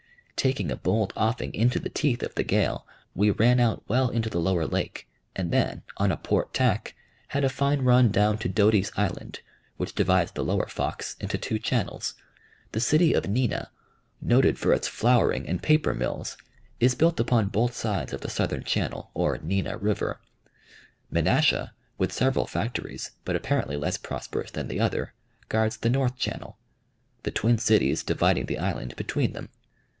Taking a bold offing into the teeth of the gale, we ran out well into the lower lake, and then, on a port tack, had a fine run down to Doty's Island, which divides the lower Fox into two channels. The city of Neenah, noted for its flouring and paper mills, is built upon both sides of the southern channel, or Neenah River; Menasha, with several factories, but apparently less prosperous than the other, guards the north channel, the twin cities dividing the island between them.